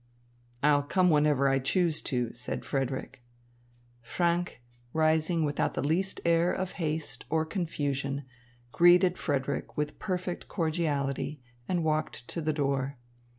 "I'll come whenever I choose to," said Frederick. Franck, rising without the least air of haste or confusion, greeted Frederick with perfect cordiality and walked to the door.